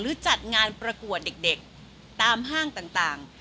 จัดงานประกวดเด็กตามห้างต่าง